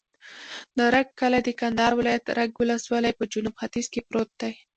د رګ کلی د کندهار ولایت، رګ ولسوالي په جنوب ختیځ کې پروت دی.